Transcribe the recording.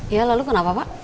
ya lalu kenapa pak